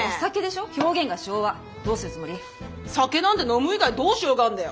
酒なんて飲む以外どうしようがあんだよ！